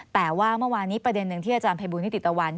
แต่ว่าเมื่อวานนี้ประเด็นหนึ่งที่อาจารย์ภัยบูลนิติตะวัน